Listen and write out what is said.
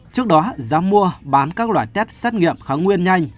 trước đó giá mua bán các loại test xét nghiệm kháng nguyên nhanh